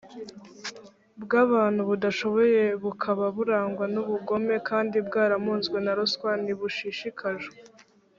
bw abantu budashoboye bukaba burangwa n ubugome kandi bwaramunzwe na ruswa ntibushishikajwe